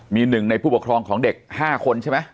มีหนึ่งในผู้ปกครองของเด็ก๕คนใช่ไหม